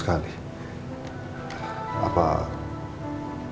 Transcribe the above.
apa pak irfan masih bisa membantu saya